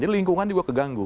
jadi lingkungan juga keganggu